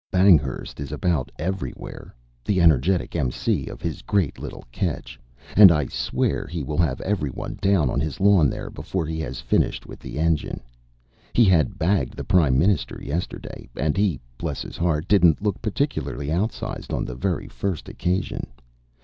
Banghurst is about everywhere, the energetic M.C. of his great little catch, and I swear he will have every one down on his lawn there before he has finished with the engine; he had bagged the prime minister yesterday, and he, bless his heart! didn't look particularly outsize, on the very first occasion.